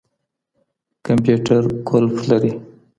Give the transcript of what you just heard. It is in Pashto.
کمپيوټر قلف لري.